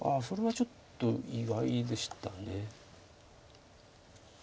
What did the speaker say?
それはちょっと意外でした。